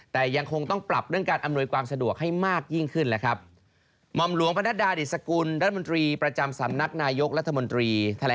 ตอนนี้ร้ำตรีค่ะ